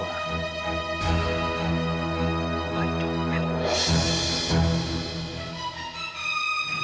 wah jok men